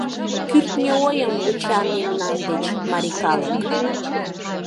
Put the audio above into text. Кӱртньӧ ойым вуча мемнан деч марий калык.